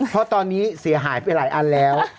เพราะตอนนี้เสียหายไปหลายอันแล้ว